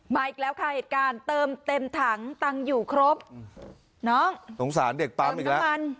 อีกแล้วค่ะเหตุการณ์เติมเต็มถังตังค์อยู่ครบน้องสงสารเด็กปั๊มอีกแล้วมัน